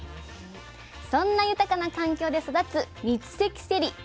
そんな豊かな環境で育つ三関せり。